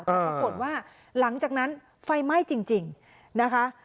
แต่เขาบอกว่าหลังจากนั้นไฟไหม้จริงนะคะ